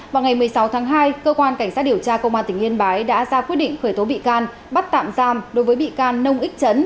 vào ngày một mươi sáu tháng hai cơ quan cảnh sát điều tra công an tỉnh yên bái đã ra quyết định khởi tố bị can bắt tạm giam đối với bị can nông ích chấn